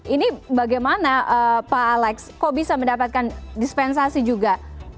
ini bagaimana pak alex kok bisa mendapatkan dispensasi juga